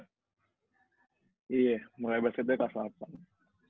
iya mulai basketnya kelas delapan